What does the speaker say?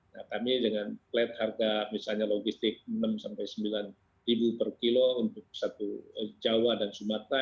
nah kami dengan plat harga misalnya logistik rp enam sembilan per kilo untuk satu jawa dan sumatera